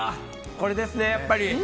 これですね、やっぱり。